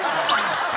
ハハハハ！